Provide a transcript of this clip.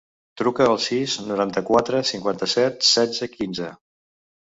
Truca al sis, noranta-quatre, cinquanta-set, setze, quinze.